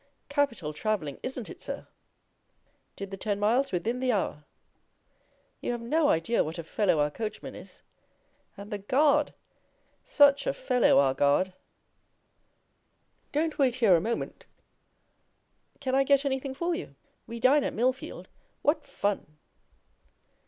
'Capital travelling, isn't it, sir? Did the ten miles within the hour. You have no idea what a fellow our coachman is; and the guard, such a fellow our guard! Don't wait here a moment. Can I get anything for you? We dine at Mill field. What fun!